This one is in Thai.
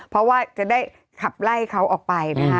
เพราะว่าจะได้ขับไล่เขาออกไปนะคะ